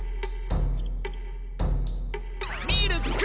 ミルク！